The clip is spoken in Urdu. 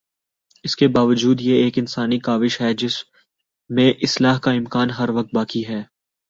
اس کے باوجود یہ ایک انسانی کاوش ہے جس میں اصلاح کا امکان ہر وقت باقی ہے۔